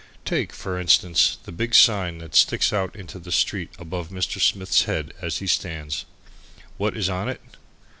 Take, for instance, the big sign that sticks out into the street above Mr. Smith's head as he stands. What is on it?